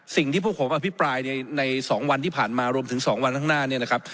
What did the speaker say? สิ่งที่พวกผมอภิปรายในสองวันที่ผ่านมารวมถึงสองวันข้างหน้า